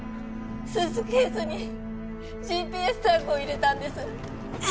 スーツケースに ＧＰＳ タグを入れたんです